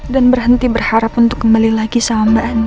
dan berhenti berharap untuk kembali lagi sama mbak anin